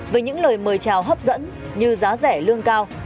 với những lời mời chào hấp dẫn như giá rẻ lương cao